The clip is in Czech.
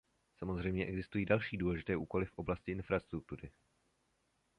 Samozřejmě existují další důležité úkoly v oblasti infrastruktury.